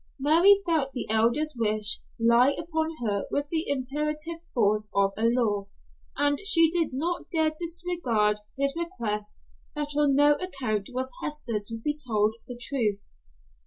Mary felt the Elder's wish lie upon her with the imperative force of a law, and she did not dare disregard his request that on no account was Hester to be told the truth.